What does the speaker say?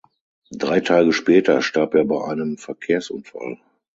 Drei Tage später starb er bei einem Verkehrsunfall.